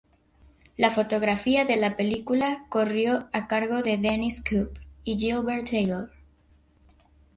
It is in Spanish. La fotografía de la película corrió a cargo de Denys Coop y Gilbert Taylor.